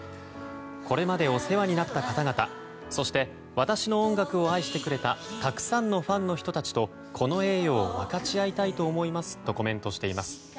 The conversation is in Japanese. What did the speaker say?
これまでお世話になった方々そして、私の音楽を愛してくれたたくさんのファンの人たちとこの栄誉を分かち合いたいと思いますとコメントしています。